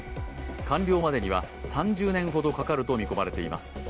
官僚までには３０年ほどかかると見込まれています。